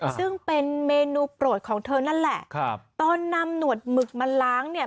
ซึ่งเป็นเมนูโปรดของเธอนั่นแหละครับตอนนำหนวดหมึกมาล้างเนี่ย